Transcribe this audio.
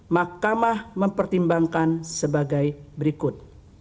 makamah mempertimbangkan sebagai berikut